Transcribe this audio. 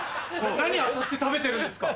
何あさって食べてるんですか？